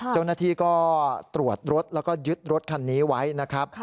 เจ้าหน้าที่ก็ตรวจรถแล้วก็ยึดรถคันนี้ไว้นะครับ